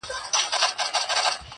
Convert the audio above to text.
ويل واورئ دې ميدان لره راغلو،